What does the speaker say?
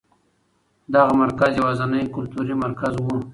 دغه مرکز یوازېنی کلتوري مرکز و.